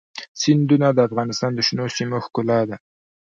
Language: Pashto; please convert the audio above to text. سیندونه د افغانستان د شنو سیمو ښکلا ده.